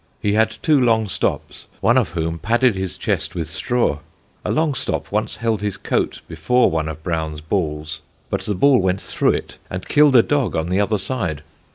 He had two long stops, one of whom padded his chest with straw. A long stop once held his coat before one of Brown's balls, but the ball went through it and killed a dog on the other side.